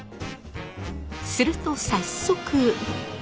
すると早速。